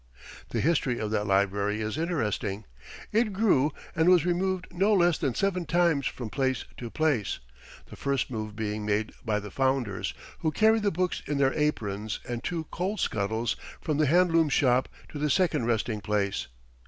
The history of that library is interesting. It grew, and was removed no less than seven times from place to place, the first move being made by the founders, who carried the books in their aprons and two coal scuttles from the hand loom shop to the second resting place.